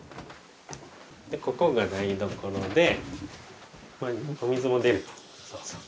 でここが台所でお水も出るよ。